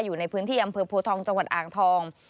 อยู่ในพื้นที่อำเภอโพทองจังหวัดอ่างทอง